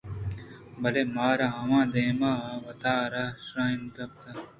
بلئے مارءَ ہما دمان ءَوتارا شاہینءَپتات